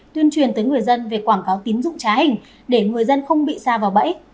tuyên truyền tới người dân về quảng cáo tín dụng trá hình để người dân không bị xa vào bẫy